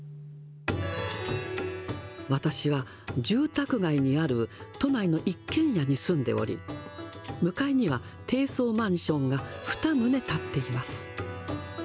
私は住宅街にある都内の一軒家に住んでおり、向かいには低層マンションが２棟建っています。